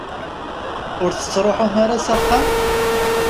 Ur tettruḥum ara s axxam?